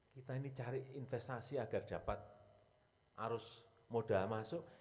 kita ini cari investasi agar dapat arus modal masuk